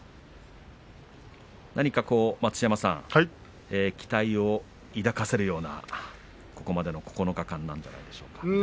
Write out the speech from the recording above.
何かこう、待乳山さん期待を抱かせるようなここまでの９日間なんではないでしょうか。